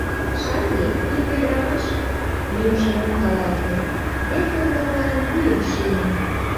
— Шаҥге ик ӱдрамаш... лӱмжым ом каласе... весе-влаклан вуйым шийын.